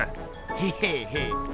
へへへ。